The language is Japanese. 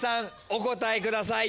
お答えください。